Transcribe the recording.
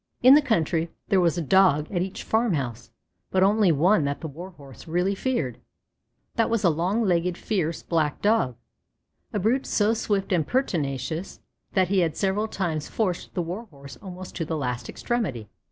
In the country there was a Dog at each farm house, but only one that the Warhorse really feared; that was a long legged, fierce, black Dog, a brute so swift and pertinacious that he had several times forced the Warhorse almost to the last extremity.